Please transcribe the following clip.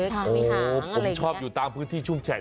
ความชอบอยู่ตามพื้นที่ชุ่มแฉก